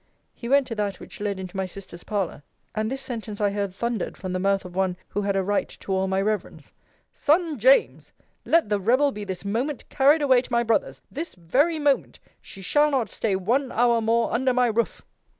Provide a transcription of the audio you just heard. He went to that which led into my sister's parlour; and this sentence I heard thundered from the mouth of one who had a right to all my reverence: Son James, let the rebel be this moment carried away to my brother's this very moment she shall not stay one hour more under my roof!